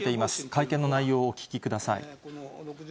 会見の内容をお聞きください。